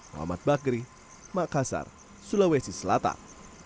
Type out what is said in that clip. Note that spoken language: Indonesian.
muhammad bakri makassar sulawesi selatan